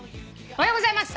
「おはようございます」